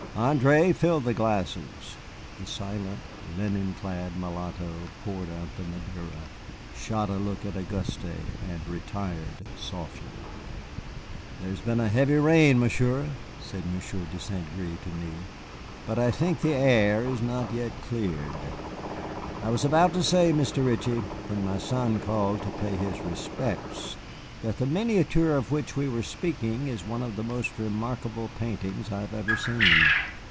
"André, fill the glasses." The silent, linen clad mulatto poured out the Madeira, shot a look at Auguste, and retired softly. "There has been a heavy rain, Monsieur," said Monsieur de St. Gré to me, "but I think the air is not yet cleared. I was about to say, Mr. Ritchie, when my son called to pay his respects, that the miniature of which we were speaking is one of the most remarkable paintings I have ever seen."